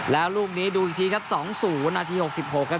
แล้วลูกนี้ดูอีกทีครับสองศูนย์นาทีหกสิบหกครับ